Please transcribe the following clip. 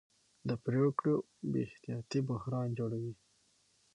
د پرېکړو بې احتیاطي بحران جوړوي